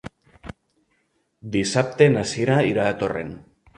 Dissabte na Cira irà a Torrent.